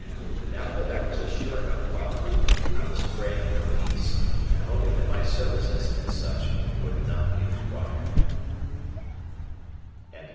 Now that I was a sure enough bomber, I was praying for peace and hoping that my services as such would not be required.